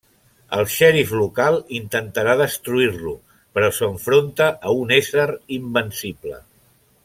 El xèrif local intentarà destruir-lo, però s'enfronta a un ésser invencible.